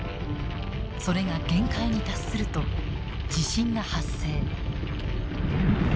それが限界に達すると地震が発生。